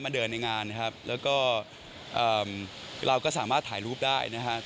เดินในงานนะครับแล้วก็เอ่อเราก็สามารถถ่ายรูปได้นะครับ